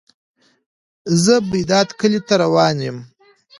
زه بیداد کلی ته روان یم.